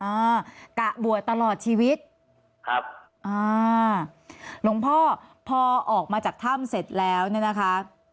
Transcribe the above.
อ่ากะบวชตลอดชีวิตครับอ่าหลวงพ่อพอออกมาจากถ้ำเสร็จแล้วเนี่ยนะคะ